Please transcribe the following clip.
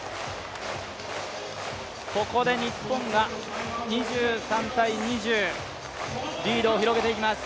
ここで日本が２３−２０リードを広げていきます。